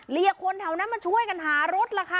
เรียกคนแถวนั้นมาช่วยกันหารถล่ะค่ะ